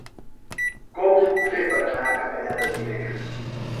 Com ho puc fer per anar a Capellades dimecres?